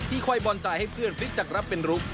คอยบอลจ่ายให้เพื่อนฟิตจักรรับเป็นรุก